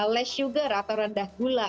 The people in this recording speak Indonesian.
less sugar atau rendah gula